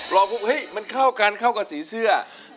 ปุ๊บเฮ้ยมันเข้ากันเข้ากับสีเสื้อ